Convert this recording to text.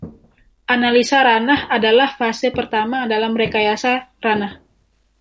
Analisa ranah adalah fase pertama dalam rekayasa ranah.